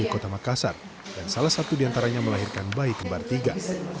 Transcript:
kota makassar dan salah satu di antaranya melahirkan bayi kembar tiga